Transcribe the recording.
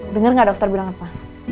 dengar nggak dokter bilang apa